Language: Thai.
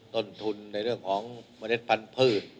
ต้นทุนในเรื่องของเมล็ดพันธุ์